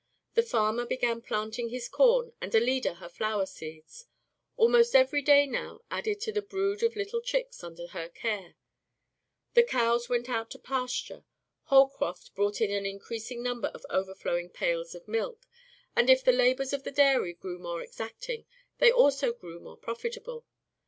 The farmer began planting his corn and Alida her flower seeds. Almost every day now added to the brood of little chicks under her care. The cows went out to pasture. Holcroft brought in an increasing number of overflowing pails of milk, and if the labors of the dairy grew more exacting, they also grew more profitable.